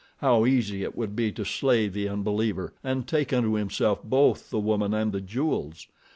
How easy it would be to slay the unbeliever, and take unto himself both the woman and the jewels!